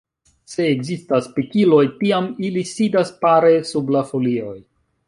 Se ekzistas pikiloj tiam ili sidas pare sub la folioj.